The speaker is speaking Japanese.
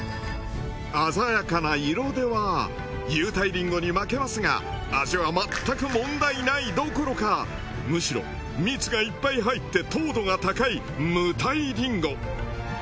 鮮やかな色では有袋りんごに負けますが味はまったく問題ないどころかむしろ蜜がいっぱい入って糖度が高い無袋りんご。